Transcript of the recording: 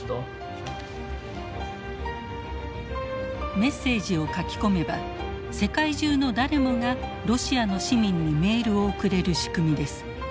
メッセージを書き込めば世界中の誰もがロシアの市民にメールを送れる仕組みです。